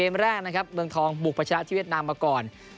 เมืองทองบุกประชนะที่เวียดนามมาก่อน๓๑